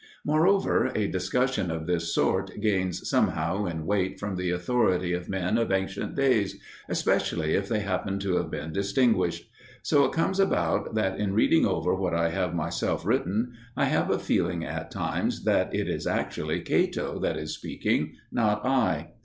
Moreover, a discussion of this sort gains somehow in weight from the authority of men of ancient days, especially if they happen to have been distinguished. So it comes about that in reading over what I have myself written I have a feeling at times that it is actually Cato that is speaking, not I.